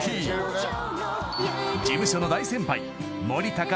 ［事務所の大先輩］